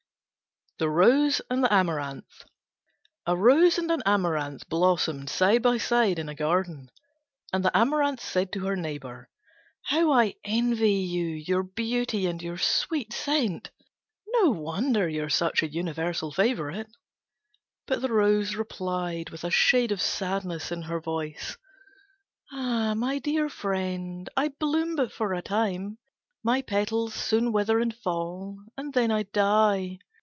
THE ROSE AND THE AMARANTH A Rose and an Amaranth blossomed side by side in a garden, and the Amaranth said to her neighbour, "How I envy you your beauty and your sweet scent! No wonder you are such a universal favourite." But the Rose replied with a shade of sadness in her voice, "Ah, my dear friend, I bloom but for a time: my petals soon wither and fall, and then I die.